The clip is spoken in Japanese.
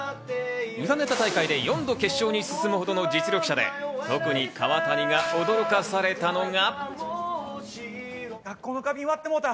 歌ネタ大会で４度決勝に進むほどの実力者で、特に川谷が驚かされたのが。